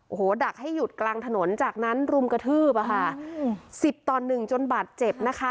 โอ้โหดักให้หยุดกลางถนนจากนั้นรุมกระทืบอ่ะค่ะสิบต่อหนึ่งจนบาดเจ็บนะคะ